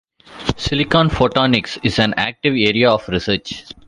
Silicon photonics is an active area of research.